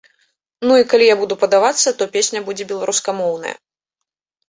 Ну і калі я буду падавацца, то песня будзе беларускамоўная.